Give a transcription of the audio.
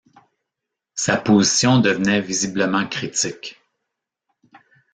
Sa position devenait visiblement critique.